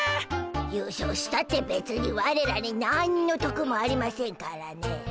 優勝したってべつにワレらになんのとくもありませんからねえ。